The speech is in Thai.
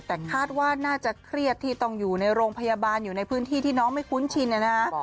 แต่คาดว่าน่าจะเครียดที่ต้องอยู่ในโรงพยาบาลอยู่ในพื้นที่ที่น้องไม่คุ้นชินนะฮะ